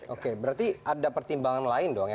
oke berarti ada pertimbangan lain dong ya